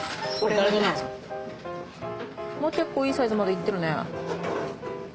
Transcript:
もう結構いいサイズまでいってるね。